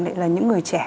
đấy là những người trẻ